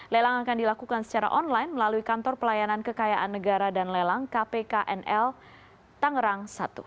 lelang akan dilakukan secara online melalui kantor pelayanan kekayaan negara dan lelang kpknl tangerang satu